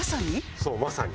そうまさに。